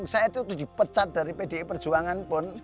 saya itu dipecat dari pdi perjuangan pun